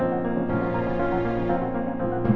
apa siapa cepet ini